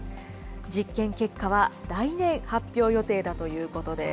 実験結果は来年発表予定だということです。